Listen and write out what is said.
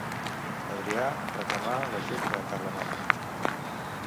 Adrià reclamà l'ajut de Carlemany.